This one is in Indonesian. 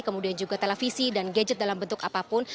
kemudian juga televisi dan gadget dalam bentuk apapun